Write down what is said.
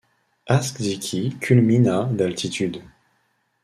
Astxiki culmine à d'altitude.